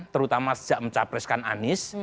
terutama sejak mencapreskan anies